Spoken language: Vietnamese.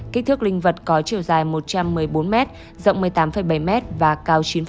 kích thước linh vật có chiều dài một trăm một mươi bốn m rộng một mươi tám bảy m và cao chín